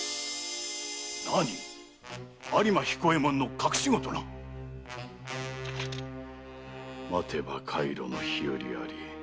なに有馬彦右衛門の隠し子とな⁉待てば海路の日よりあり。